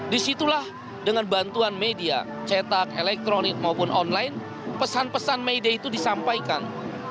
di situlah dengan bantuan media cetak elektronik maupun online pesan pesan mede itu disampaikan